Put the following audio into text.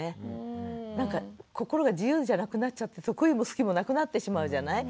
なんか心が自由じゃなくなっちゃって得意も好きもなくなってしまうじゃない。